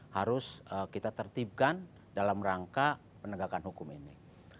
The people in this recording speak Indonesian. harus kita tertibkan dalam rangka penegakan hukum ini